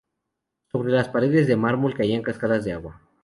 Sobre las paredes de mármol caían cascadas de agua.